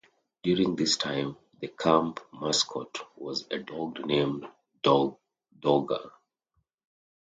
During this time the Camp mascot was a dog named Dodger.